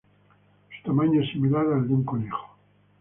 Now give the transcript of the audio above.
Su tamaño es similar al de un conejo.